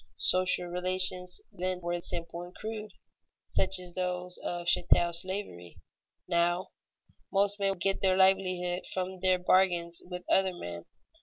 Social relations then were simple and crude, such as those of chattel slavery. Now, most men get their livelihood from their bargains with other men.